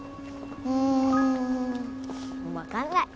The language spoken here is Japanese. うーんわかんない。